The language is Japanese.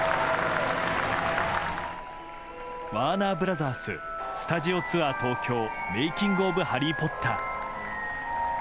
ワーナーブラザーススタジオツアー東京‐メイキング・オブ・ハリー・ポッター。